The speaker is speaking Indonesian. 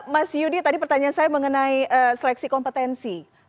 mas yudi tadi pertanyaan saya mengenai seleksi kompetensi